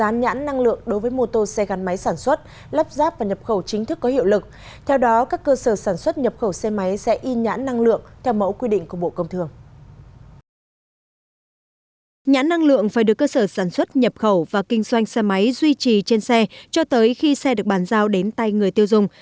nhãn năng lượng phải được cơ sở sản xuất nhập khẩu và kinh doanh xe máy duy trì trên xe cho tới khi xe được bàn giao đến tay người tiêu dùng